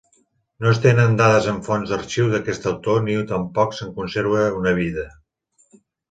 No es tenen dades en fonts d'arxiu d'aquest autor ni tampoc se'n conserva una vida.